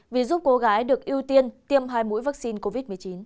vì giúp cô gái được ưu tiên tiêm hai mũi vaccine covid một mươi chín